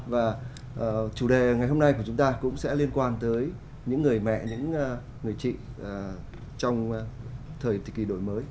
và chủ đề ngày hôm nay của chúng ta cũng sẽ liên quan tới những người mẹ những người chị trong thời kỳ đổi mới